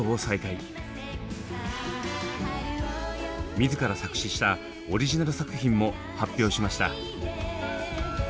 自ら作詞したオリジナル作品も発表しました。